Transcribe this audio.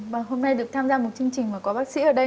và hôm nay được tham gia một chương trình mà có bác sĩ ở đây